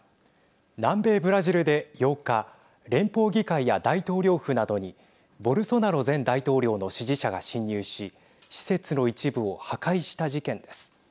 南米ブラジルで８日連邦議会や大統領府などにボルソナロ前大統領の支持者が侵入し施設の一部を破壊した事件です。